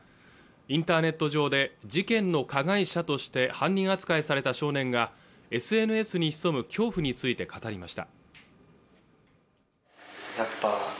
インターネット上で事件の加害者として犯人扱いされた少年がＳＮＳに潜む恐怖について語りました